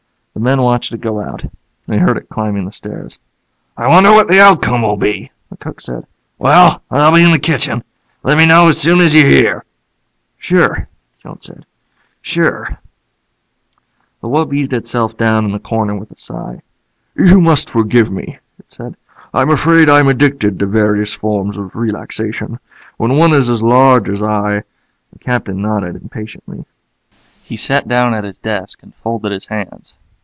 The men watched it go out. They heard it climbing the stairs. "I wonder what the outcome will be," the cook said. "Well, I'll be in the kitchen. Let me know as soon as you hear." "Sure," Jones said. "Sure." The wub eased itself down in the corner with a sigh. "You must forgive me," it said. "I'm afraid I'm addicted to various forms of relaxation. When one is as large as I " The Captain nodded impatiently. He sat down at his desk and folded his hands.